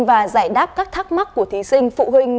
và giải đáp các thắc mắc của thí sinh phụ huynh